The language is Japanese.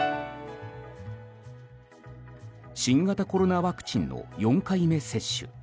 新型コロナワクチンの４回目接種。